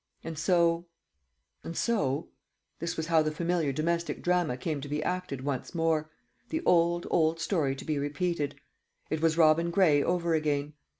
And so and so this was how the familiar domestic drama came to be acted once more the old, old story to be repeated. It was Robin Gray over again.